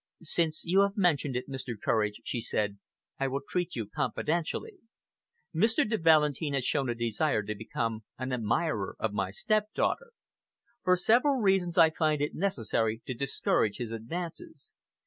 "Since you have mentioned it, Mr. Courage," she said, "I will treat you confidentially. Mr. de Valentin has shown a desire to become an admirer of my stepdaughter. For several reasons, I find it necessary to discourage his advances.